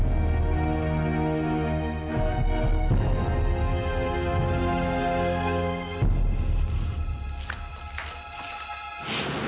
sampai jumpa lagi